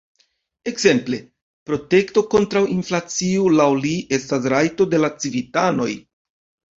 Ekzemple, protekto kontraŭ inflacio laŭ li estis rajto de la civitanoj.